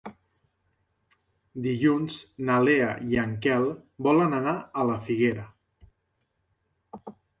Dilluns na Lea i en Quel volen anar a la Figuera.